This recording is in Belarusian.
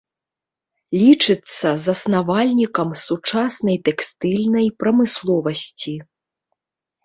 Лічыцца заснавальнікам сучаснай тэкстыльнай прамысловасці.